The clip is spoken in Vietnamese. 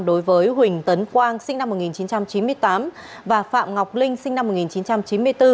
đối với huỳnh tấn quang sinh năm một nghìn chín trăm chín mươi tám và phạm ngọc linh sinh năm một nghìn chín trăm chín mươi bốn